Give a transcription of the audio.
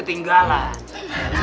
aduh aduh aduh aduh aduh